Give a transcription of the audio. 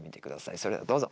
それではどうぞ。